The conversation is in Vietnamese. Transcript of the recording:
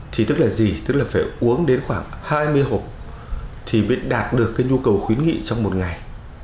thì tức là gì tức là phải uống đến khoảng hai mươi hộp thì mới đạt được cái nhu cầu khuyến nghị trong một ngày